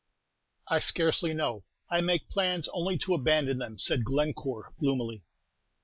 "I scarcely know, I make plans only to abandon them," said Glencore, gloomily.